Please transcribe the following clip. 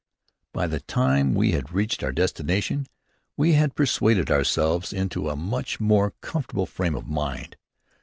By the time we had reached our destination we had persuaded ourselves into a much more comfortable frame of mind.